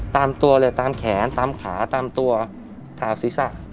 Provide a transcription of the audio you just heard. ตามตัวเลยตามแขนตามขาตามตัวตามศีรษะ